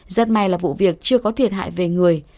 rất may là vụ việc chưa có thiệt hại về người